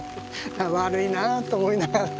悪いなあと思いながら。